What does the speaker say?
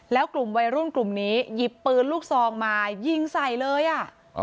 แล้วกลุ่มวัยรุ่นกลุ่มนี้หยิบปืนลูกซองมายิงใส่เลยอ่ะ